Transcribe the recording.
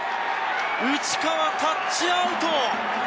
内川、タッチアウト。